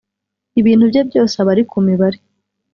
ibintu bye byose aba ari ku mibare